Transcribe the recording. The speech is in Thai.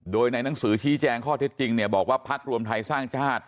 โดยในหนังสือชี้แจงข้อเท็จจริงเนี่ยบอกว่าพักรวมไทยสร้างชาติ